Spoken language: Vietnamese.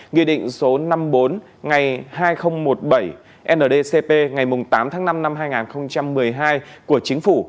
nghị định số năm mươi bốn ngày hai nghìn một mươi bảy ndcp ngày tám tháng năm năm hai nghìn một mươi hai của chính phủ